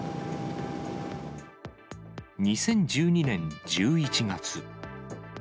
２０１２年１１月。